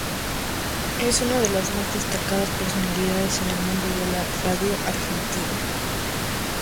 Es una de las más destacadas personalidades en el mundo de la Radio Argentina.